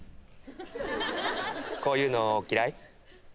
こういうの嫌い？